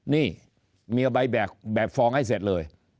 นี่มีเอาใบแบบฟอร์มให้เสร็จเลย